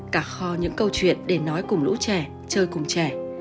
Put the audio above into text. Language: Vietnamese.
cả kho những câu chuyện để nói cùng lũ trẻ chơi cùng trẻ